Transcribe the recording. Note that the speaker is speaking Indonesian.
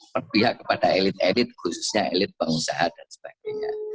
berpihak kepada elit elit khususnya elit pengusaha dan sebagainya